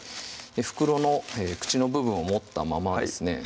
袋の口の部分を持ったままですね